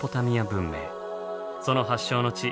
その発祥の地